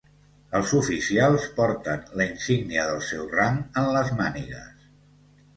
Els oficials porten la insígnia del seu rang en les mànigues.